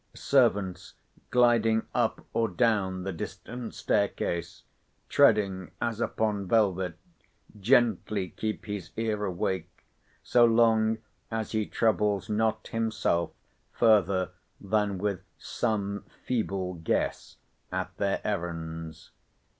Servants gliding up or down the distant staircase, treading as upon velvet, gently keep his ear awake, so long as he troubles not himself further than with some feeble guess at their errands.